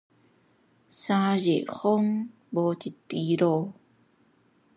三日風無一滴露